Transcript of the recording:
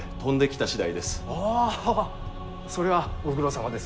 あそれはご苦労さまです。